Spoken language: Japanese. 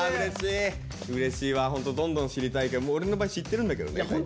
うれしいわホントどんどん知りたいけど俺の場合知ってるんだけどね。